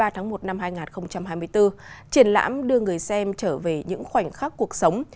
hai mươi tháng một năm hai nghìn hai mươi bốn triển lãm đưa người xem trở về những khoảnh khắc cuộc sống